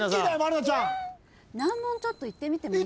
難問ちょっといってみてもいい？